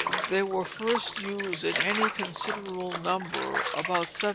They were first used in any considerable number about 1760.